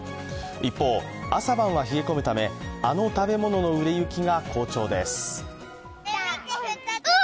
一方、朝晩は冷え込むためあの食べ物の売れ行きが好調です。